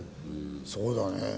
そうだね。